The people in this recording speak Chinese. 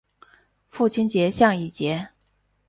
父亲向以节。